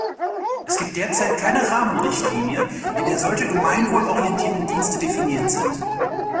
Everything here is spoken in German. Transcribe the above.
Es gibt derzeit keine Rahmenrichtlinie, in der solche gemeinwohlorientierten Dienste definiert sind.